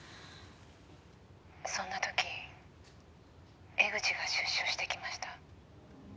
「そんな時江口が出所してきました」